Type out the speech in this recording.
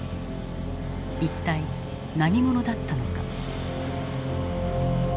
一体何者だったのか。